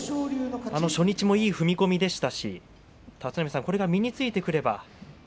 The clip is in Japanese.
初日もいい踏み込みでしたしこれが身についてくれば。